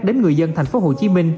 đến người dân tp hcm